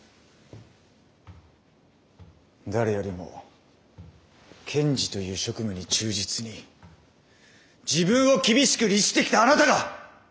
誰よりも検事という職務に忠実に自分を厳しく律してきたあなたが！